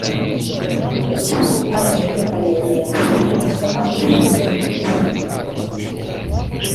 Patrick Karegeya ni Osama Bin Laden w’u Rwanda